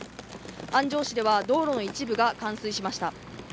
安城市では道路の一部が冠水しました。